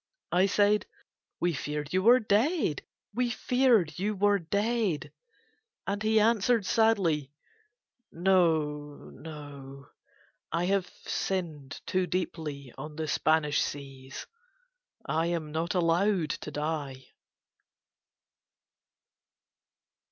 I said: "We feared you were dead. We feared you were dead." And he answered sadly: "No. No. I have sinned too deeply on the Spanish seas: I am not allowed to die."